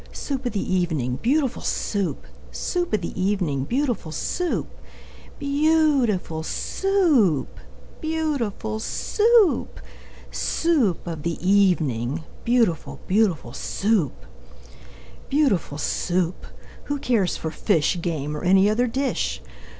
Soup of the evening, beautiful Soup! Soup of the evening, beautiful Soup! Beau ootiful Soo oop! Beau ootiful Soo oop! Soo oop of the e e evening, Beautiful, beautiful Soup! Beautiful Soup! Who cares for fish, Game, or any other dish?